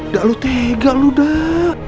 kak lu tega lu dek